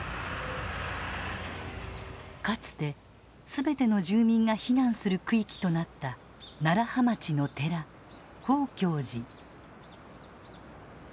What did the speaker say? かつて全ての住民が避難する区域となった楢葉町の寺宝鏡寺。